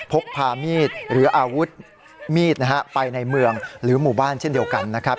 พกพามีดหรืออาวุธมีดนะฮะไปในเมืองหรือหมู่บ้านเช่นเดียวกันนะครับ